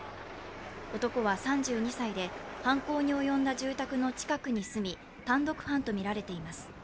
男は３２歳で、犯行に及んだ住宅の近くに住み単独犯とみられています。